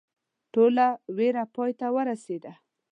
ټوله ویره پای ته ورسېده.